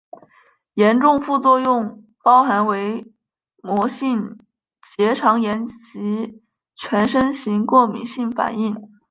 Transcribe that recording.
严重副作用包含伪膜性结肠炎及全身型过敏性反应。